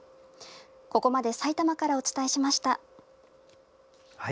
ここまでさいたまからお伝えしました。